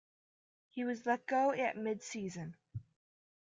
He was let go at mid season.